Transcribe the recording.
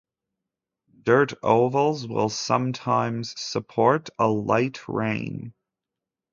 Dirt ovals will sometimes support a light rain.